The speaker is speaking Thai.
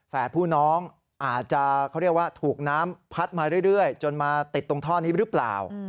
ผู้น้องอาจจะเขาเรียกว่าถูกน้ำพัดมาเรื่อยจนมาติดตรงท่อนี้หรือเปล่า